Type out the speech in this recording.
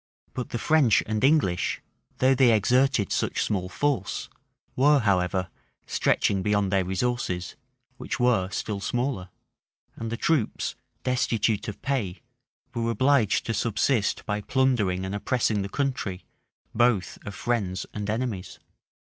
But the French and English, though they exerted such small force, were, however, stretching beyond their resources, which were still smaller; and the troops, destitute of pay, were obliged to subsist by plundering and oppressing the country, both of friends and enemies.